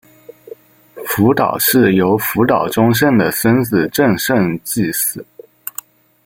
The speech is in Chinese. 福岛氏由福岛忠胜的孙子正胜继嗣。